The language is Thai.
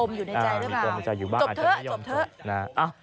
มีปมอยู่ในใจรึเปล่าจบเถอะ